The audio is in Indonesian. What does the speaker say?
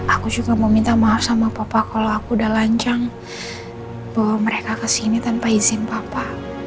aku juga mau minta maaf sama papa kalau aku udah lancang bawa mereka ke sini tanpa izin papa